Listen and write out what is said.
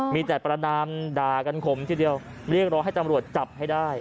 มีแต่ประนามด่ากันขมทีเดียวเรียกร้องให้ตำรวจจับให้ได้